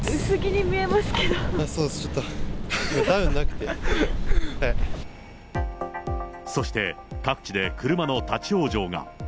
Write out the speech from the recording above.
そうです、ちょっと、ダウンそして、各地で車の立往生が。